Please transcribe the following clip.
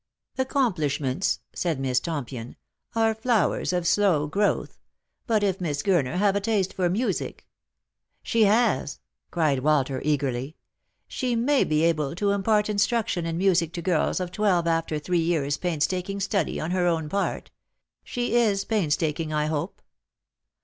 " Accomplishments," said Miss Tompion, " are flowers of slow growth ; but if Miss Gurner have a taste for music "" She has !" cried Walter eagerly. " She may be able to impart instruction in music to girls of twelve after three years' painstaking study on her own part. She is painstaking, I hope